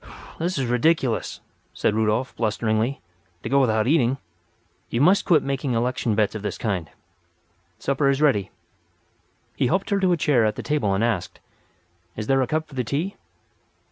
"This is ridiculous," said Rudolf, blusteringly, "to go without eating. You must quit making election bets of this kind. Supper is ready." He helped her to a chair at the table and asked: "Is there a cup for the tea?"